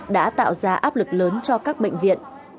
đã tạo ra áp lực lớn cho các bệnh viện